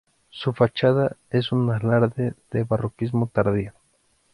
Su fachada es un alarde de barroquismo tardío.